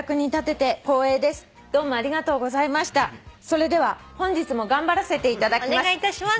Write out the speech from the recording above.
それでは本日も頑張らせていただきます。